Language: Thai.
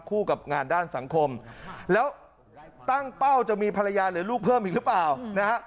กับงานด้านสังคมแล้วตั้งเป้าจะมีภรรยาหรือลูกเพิ่มอีกหรือเปล่านะฮะ